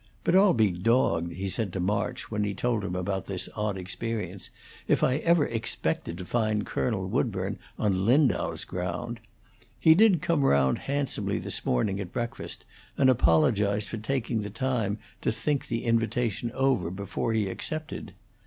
"But I'll be dogged," he said to March when he told him about this odd experience, "if I ever expected to find Colonel Woodburn on old Lindau's ground. He did come round handsomely this morning at breakfast and apologized for taking time to think the invitation over before he accepted.